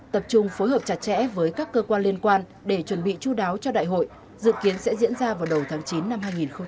tập trung phối hợp chặt chẽ với các cơ quan liên quan để chuẩn bị chú đáo cho đại hội dự kiến sẽ diễn ra vào đầu tháng chín năm hai nghìn hai mươi